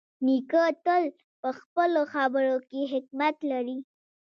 نیکه تل په خپلو خبرو کې حکمت لري.